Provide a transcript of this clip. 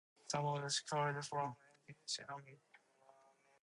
Falun Gong practitioners themselves have sometimes disavowed this classification, however.